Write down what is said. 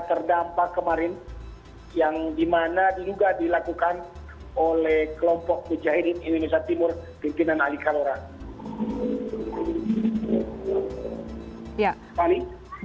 terdampak kemarin yang dimana diduga dilakukan oleh kelompok mujahidin indonesia timur pimpinan ali kalora